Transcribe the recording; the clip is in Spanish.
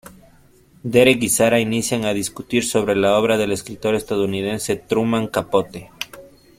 Derek y Sara inician a discutir sobre la obra del escritor estadounidense Truman Capote.